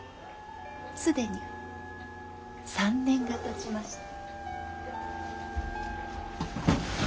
既に３年がたちました。